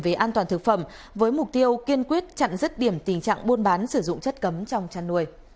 về an toàn thực phẩm với mục tiêu kiên quyết chặn rứt điểm tình trạng buôn bán sử dụng chất cấm trong chăn nuôi